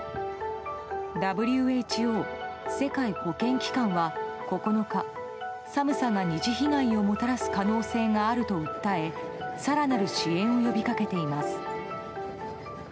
ＷＨＯ・世界保健機関は９日寒さが二次被害をもたらす可能性があると訴え更なる支援を呼び掛けています。